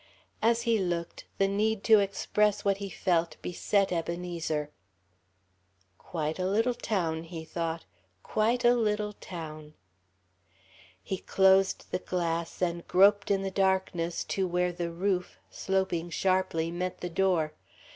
As he looked, the need to express what he felt beset Ebenezer. "Quite a little town," he thought, "quite a little town." He closed the glass, and groped in the darkness to where the roof, sloping sharply, met the door.